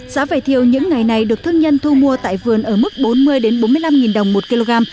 giá vải thiều những ngày này được thương nhân thu mua tại vườn ở mức bốn mươi bốn mươi năm đồng một kg